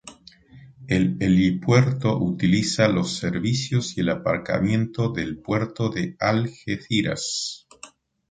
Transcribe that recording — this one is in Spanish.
El helipuerto utiliza los servicios y el aparcamiento del puerto de Algeciras.